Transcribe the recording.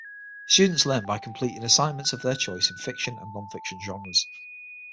Students learn by completing assignments of their choice in fiction and non-fiction genres.